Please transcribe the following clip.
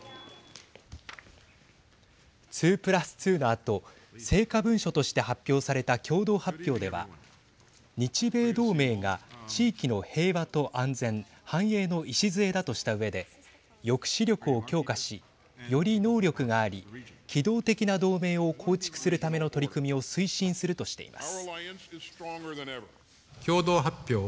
２プラス２のあと成果文書として発表された共同発表では日米同盟が地域の平和と安全繁栄の礎だとしたうえで抑止力を強化しより能力があり機動的な同盟を構築するための取り組みを推進するとしています。